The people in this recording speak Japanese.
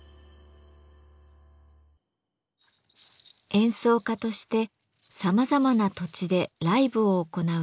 演奏家としてさまざまな土地でライブを行う平井さん。